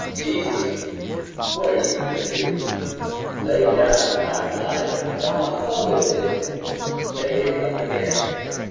Jesus, what are you going to do? To lay down my life as my Father did, and take it up again.